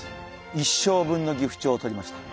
一生分のギフチョウをとりました。